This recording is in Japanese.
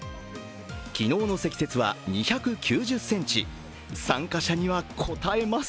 昨日の積雪は２９０ｃｍ参加者にはこたえます。